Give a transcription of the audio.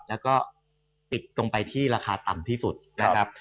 แล้วก็ปิดตรงไปที่ราคาต่ำที่สุดนะครับ